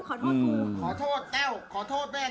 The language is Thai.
ขอโทษกูขอโทษแต้วขอโทษแม่